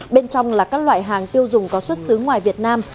bên trong là các loại hàng tiêu dùng có xuất xứ ngoài việt nam